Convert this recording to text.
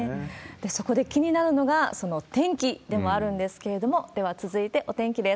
そこで気になるのが、その天気でもあるんですけれども、では続いてお天気です。